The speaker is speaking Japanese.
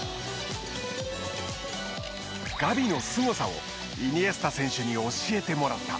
ガビのすごさをイニエスタ選手に教えてもらった。